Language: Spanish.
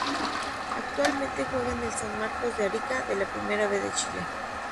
Actualmente juega en el San Marcos de Arica de la Primera B de Chile.